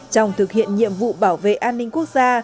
trong thực hiện nhiệm vụ bảo vệ an ninh quốc gia